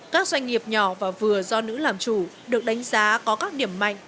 các doanh nghiệp nhỏ và vừa do nữ làm chủ được đánh giá có các điểm mạnh